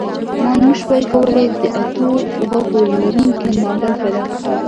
ما نشوای کولی د اتو غوږونو لرونکی ماډل پیدا کړم